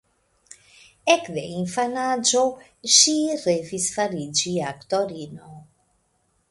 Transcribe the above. Ekde infanaĝo ŝi revis fariĝi aktorino.